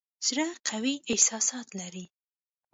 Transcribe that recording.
زړه قوي احساسات لري.